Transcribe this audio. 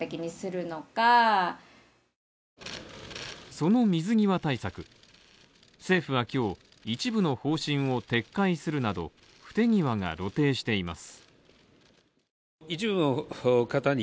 その水際対策政府は今日、一部の方針を撤回するなど不手際が露呈しています。